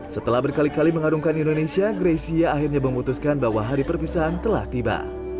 setelah berkali kali mengarungkan indonesia greysia akhirnya memutuskan bahwa hari perpisahan telah tiba